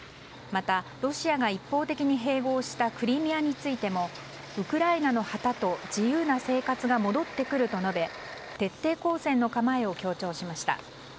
また、ロシアが一方的に併合したクリミアについてもウクライナの旗と自由な生活が戻ってくると述べ徹底抗戦の構えを強調しました。